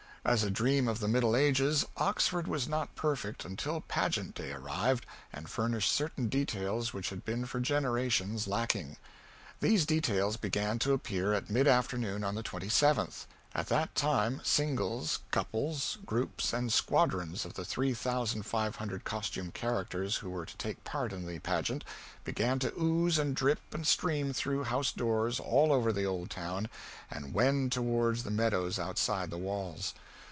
As a dream of the Middle Ages Oxford was not perfect until Pageant day arrived and furnished certain details which had been for generations lacking. These details began to appear at mid afternoon on the 27th. At that time singles, couples, groups and squadrons of the three thousand five hundred costumed characters who were to take part in the Pageant began to ooze and drip and stream through house doors, all over the old town, and wend toward the meadows outside the walls.